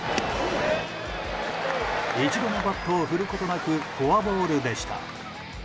一度もバットを振ることなくフォアボールでした。